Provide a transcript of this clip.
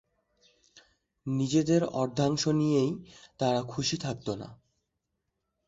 নিজেদের অর্ধাংশ নিয়েই তারা খুশি থাকত না।